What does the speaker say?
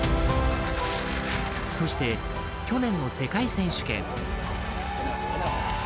そして、去年の世界選手権。